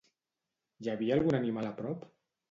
Hi havia algun animal a prop?